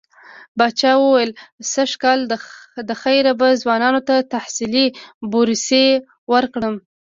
پاچا وويل سږ کال له خيره به ځوانانو ته تحصيلي بورسيې ورکړم.